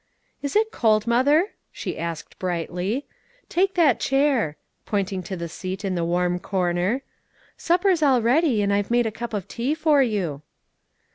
"Is it cold, mother?" she asked brightly. "Take that chair," pointing to the seat in the warm corner. "Supper's all ready, and I've made a cup of tea for you."